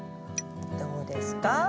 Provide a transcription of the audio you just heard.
どうですか？